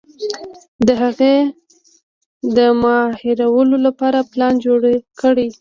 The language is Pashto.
د هغې د مهارولو لپاره پلان جوړ کړي.